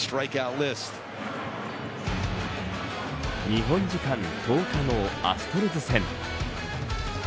日本時間１０日のアストロズ戦。